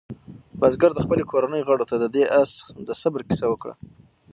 بزګر د خپلې کورنۍ غړو ته د دې آس د صبر کیسه وکړه.